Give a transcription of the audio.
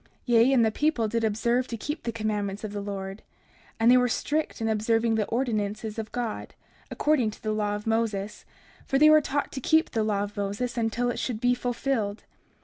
30:3 Yea, and the people did observe to keep the commandments of the Lord; and they were strict in observing the ordinances of God, according to the law of Moses; for they were taught to keep the law of Moses until it should be fulfilled.